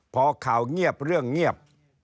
พอข่าวเงียบเรื่องเงียบ